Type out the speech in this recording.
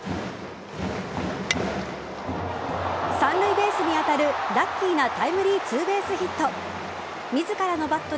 三塁ベースに当たるラッキーなタイムリーツーベースヒット。